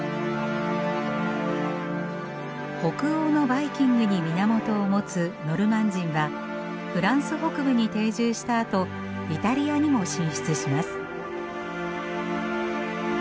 北欧のバイキングに源を持つノルマン人はフランス北部に定住したあとイタリアにも進出します。